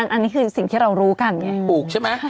อันนี้คือสิ่งที่เรารู้กันหึมอู๋เตรียมปลูกใช่ไหม